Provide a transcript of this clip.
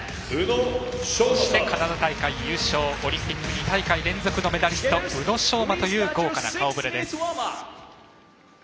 そしてカナダ大会優勝オリンピック２大会連続のメダリスト、宇野昌磨という豪華な顔ぶれです。